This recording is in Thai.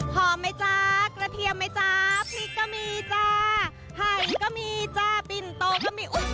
พร้อมมั้ยจ๊ะกระเทียมมั้ยจ๊ะพริกก็มีจ๊ะไห่ก็มีจ๊ะปิ่นโตก็มี